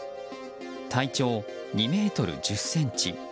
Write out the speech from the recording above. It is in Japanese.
体長２ｍ１０ｃｍ。